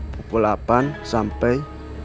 pukul delapan sampai